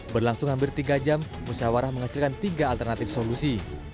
berlangsung hampir tiga jam musyawarah menghasilkan tiga alternatif solusi